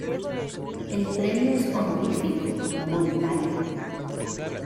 El premio es honorífico, no monetario.